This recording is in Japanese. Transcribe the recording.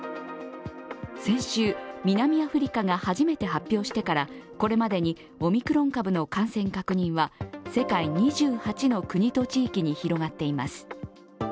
先週、南アフリカが初めて発表してからこれまでにオミクロン株の感染確認は世界２８の国と地域に広がっています。